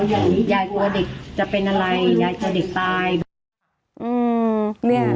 ยายกลัวเด็กจะเป็นอะไรยายก็จะเด็กตาย